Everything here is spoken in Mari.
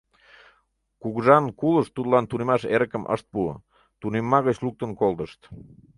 Кугыжан кулышт тудлан тунемаш эрыкым ышт пу, тунемма гыч луктын колтышт.